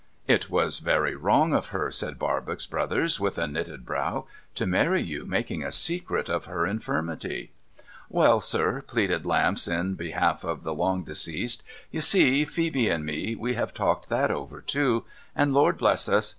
' It was very wrong of her,' said Barbox Brothers with a knitted brow, * to marry you, making a secret of her infirmity,' * Well, sir !' pleaded Lamps in behalf of the long deceased. ' You see, Phoebe and me, we have talked that over too. And Lord bless us